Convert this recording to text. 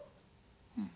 うん。